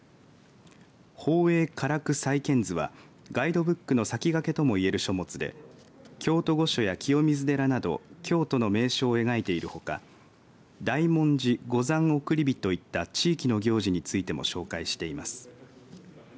宝永花洛細見図はガイドブックの先駆けともいえる書物で京都御所や清水寺など京都の名所を描いているほか大文字五山送り火といった地域の行事についても紹介しています。